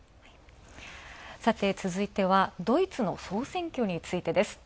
さて、続いては、ドイツの総選挙についてです。